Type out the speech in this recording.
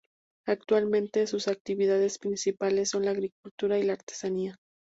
Actualmente sus actividades principales son la agricultura y la artesanía.